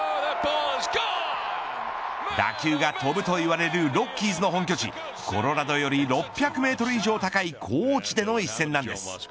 打球が飛ぶといわれるロッキーズの本拠地コロラドより６００メートル以上高い高地での一戦なんです。